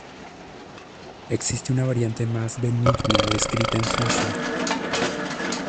Existe una variante más benigna descrita en Suiza.